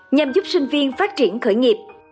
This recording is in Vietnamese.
nhằm giúp sinh viên phát triển khởi nghiệp